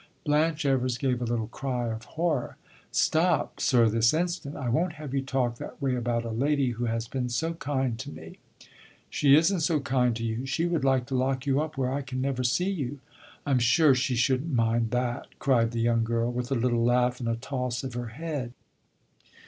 Blanche Evers gave a little cry of horror. "Stop, sir, this instant! I won't have you talk that way about a lady who has been so kind to me." "She is n't so kind to you. She would like to lock you up where I can never see you." "I 'm sure I should n't mind that!" cried the young girl, with a little laugh and a toss of her head.